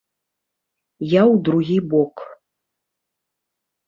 Я ў другі бок.